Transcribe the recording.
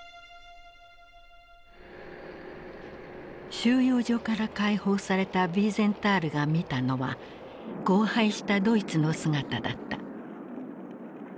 収容所から解放されたヴィーゼンタールが見たのは荒廃したドイツの姿だった。